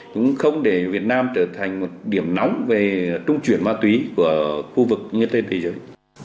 cũng không để việt nam trở thành một điểm nóng về trung chuyển ma túy của khu vực như trên thế giới